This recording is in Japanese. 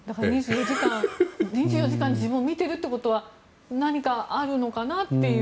２４時間自分を見ているということは何かあるのかなっていう。